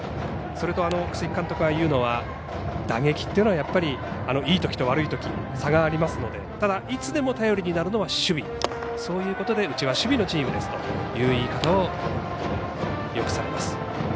それと楠城監督が言うのは打撃というのはやっぱり、いいときと悪いとき差がありますのでただ、いつでも頼りになるのは守備ということでうちは守備のチームですという言い方をよくされます。